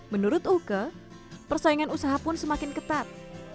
menurut uke persaingan usaha pun semakin ketat